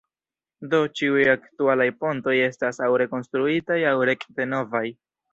Do, ĉiuj aktualaj pontoj estas aŭ rekonstruitaj aŭ rekte novaj.